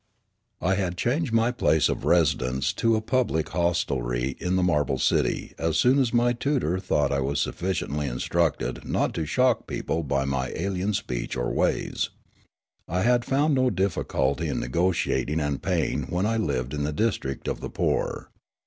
I had changed my place of residence to a public hostelry in the marble city as soon as mj^ tutor thought I was sufiicientl}^ instructed not to shock people by my alien speech or ways. I had found no difficult}^ in negotiating and paying when I lived in the district of the poor.